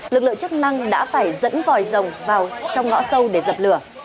lực lượng chức năng đã phải dẫn vòi rồng vào trong ngõ sâu để dập lửa